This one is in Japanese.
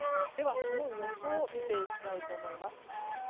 では、その予想を見ていきたいと思います。